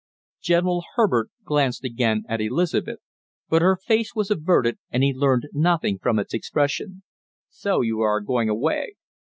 General Herbert glanced again at Elizabeth, but her face was averted and he learned nothing from its expression. "So you are going away!